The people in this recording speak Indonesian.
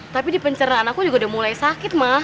tapi di pencernaan aku juga udah mulai sakit mah